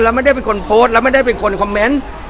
ไม่ได้เป็นคนโพสต์แล้วไม่ได้เป็นคนคอมเมนต์